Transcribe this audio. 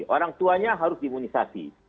orang tuanya harus diimunisasi